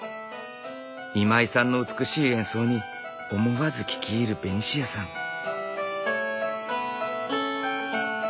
今井さんの美しい演奏に思わず聴き入るベニシアさん。